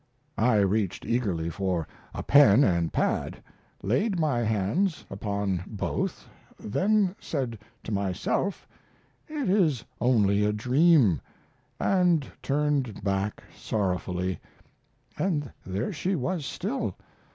I reached eagerly for a pen & pad, laid my hands upon both, then said to myself, "It is only a dream," and turned back sorrowfully & there she was still.